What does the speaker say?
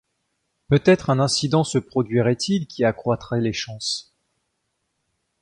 Peut-être un incident se produirait-il qui accroîtrait les chances?